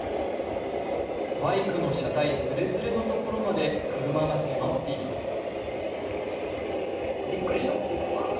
バイクの車体すれすれのところまで車が迫っています。